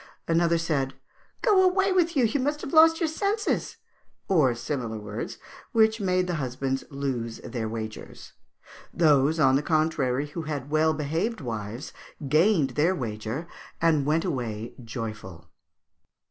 Another said, 'Go away with you; you must have lost your senses,' or similar words, which made the husbands lose their wagers. Those, on the contrary, who had well behaved wives gained their wager and went away joyful."